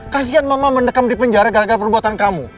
kasian mama mendekam di penjara gara gara perbuatan kamu